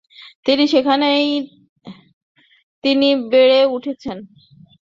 তিনি সেখানেই তিনি বেড়ে উঠেছেন।